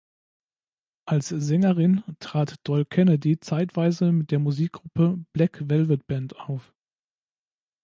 Als Sängerin trat Doyle Kennedy zeitweise mit der Musikgruppe "Black Velvet Band" auf.